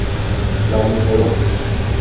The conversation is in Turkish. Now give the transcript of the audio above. Yalnız o yoktur…